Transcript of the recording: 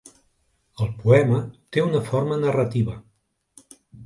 El poema té una forma narrativa.